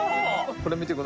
これ見てください。